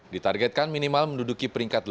ditargetkan minimal menduduki peringkat delapan